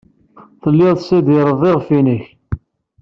Telliḍ tessidireḍ iɣef-nnek.